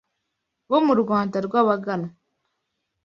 Bo mu Rwanda rw’Abaganwa